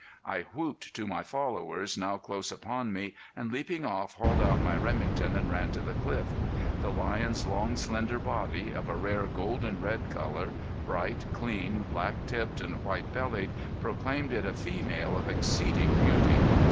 I whooped to my followers now close upon me and leaping off hauled out my Remington and ran to the cliff. The lion's long, slender body, of a rare golden red color, bright, clean, black tipped and white bellied, proclaimed it a female of exceeding beauty.